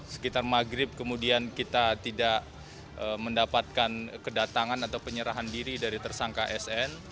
sekitar maghrib kemudian kita tidak mendapatkan kedatangan atau penyerahan diri dari tersangka sn